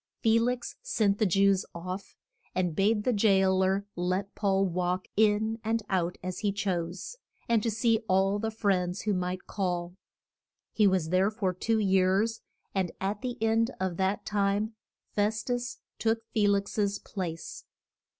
] Fe lix sent the Jews off, and bade the jail er let Paul walk in and out as he chose, and see all the friends who might call. He was there for two years, and at the end of that time Fes tus took Fe lix's place.